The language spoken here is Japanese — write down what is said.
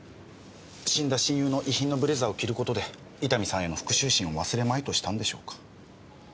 死んだ親友の遺品のブレザーを着る事で伊丹さんへの復讐心を忘れまいとしたんでしょうか。